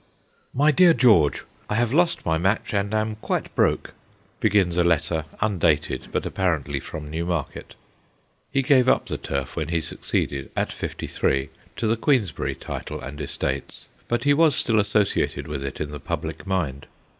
'My dear George, I have lost my match and am quite broke/ begins a letter undated, but apparently from Newmarket. He gave up the turf when he succeeded at fifty three to the Queensberry title and estates, but he was still associated with it in the public mind.